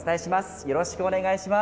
よろしくお願いします。